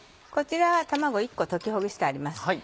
こちらは卵１個溶きほぐしてあります。